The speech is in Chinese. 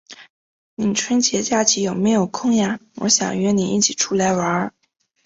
你春节假期有没有空呀？我想约你一起出来玩。